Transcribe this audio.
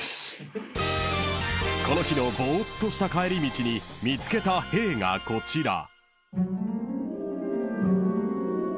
［この日のぼーっとした帰り道に見つけたへぇーがこちら］